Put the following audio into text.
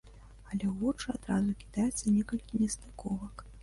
Але ў вочы адразу кідаецца некалькі нестыковак.